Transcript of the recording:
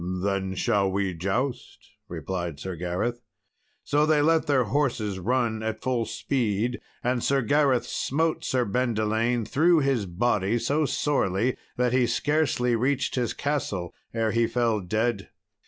"Then will we joust," replied Sir Gareth. So they let their horses run at full speed, and Sir Gareth smote Sir Bendelaine through his body so sorely that he scarcely reached his castle ere he fell dead.